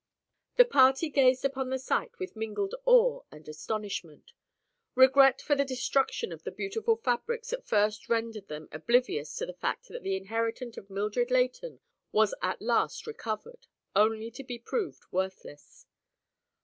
The party gazed upon the sight with mingled awe and astonishment. Regret for the destruction of the beautiful fabrics at first rendered them oblivious to the fact that the inheritance of Mildred Leighton was at last recovered—only to be proved worthless.